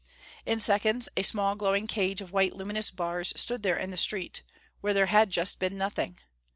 In seconds a small, glowing cage of white luminous bars stood there in the street, where there had just been nothing!